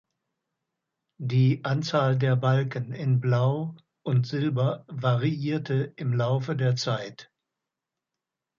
Die Anzahl der Balken in Blau und Silber variierte im Laufe der Zeit.